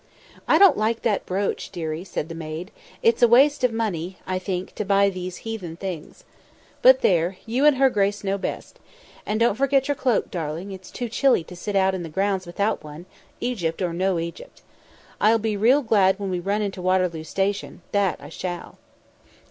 "I don't like that brooch, dearie," said the maid. "It's a waste of money, I think, to buy these heathen things. But there! you and her grace know best. And don't forget your cloak, darling; it's too chilly to sit out in the grounds without one, Egypt or no Egypt. I'll be real glad when we run into Waterloo station, that I shall."